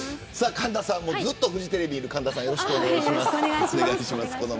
ずっとフジテレビにいる神田さんもよろしくお願いします。